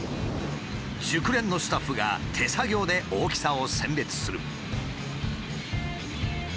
熟練のスタッフが手作業で大きさを選別する。